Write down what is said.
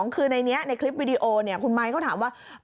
คือในคลิปวีดีโอคุณมายเขาถามว่า